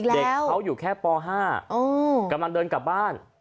เด็กเขาอยู่แค่ป๕กำลังเดินกลับบ้าน